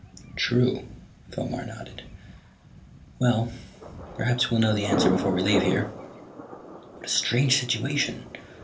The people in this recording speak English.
"True." Fomar nodded. "Well, perhaps we'll know the answer before we leave here. What a strange situation!